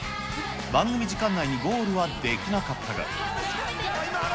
番組時間内にゴールはできなかったが。